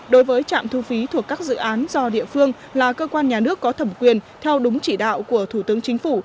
đối với trạm thu phí thuộc các dự án do địa phương là cơ quan nhà nước có thẩm quyền theo đúng chỉ đạo của thủ tướng chính phủ